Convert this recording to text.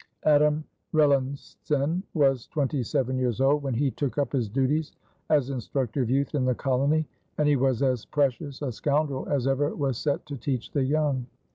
Adam Roelantsen was twenty seven years old when he took up his duties as instructor of youth in the colony, and he was as precious a scoundrel as ever was set to teach the young.